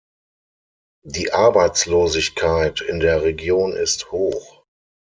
Die Arbeitslosigkeit in der Region ist hoch.